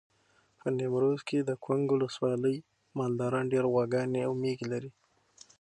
په نیمروز کې د کنگ ولسوالۍ مالداران ډېر غواګانې او مېږې لري.